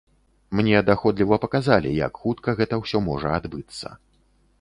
Мне даходліва паказалі, як хутка гэта ўсё можа адбыцца.